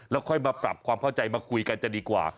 แล้วค่อยมาปรับความเข้าใจมาคุยกันจะดีกว่า